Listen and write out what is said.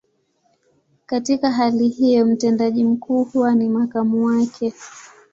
Katika hali hiyo, mtendaji mkuu huwa ni makamu wake.